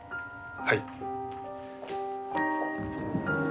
はい。